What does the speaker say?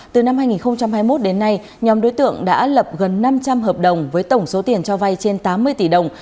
từ năm hai nghìn hai mươi một đến nay nhóm đối tượng đã lập gần năm trăm linh hợp đồng với tổng số tiền cho vay trên tám mươi tỷ đồng